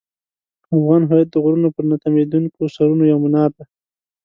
افغان هویت د غرونو پر نه تمېدونکو سرونو یو منار دی.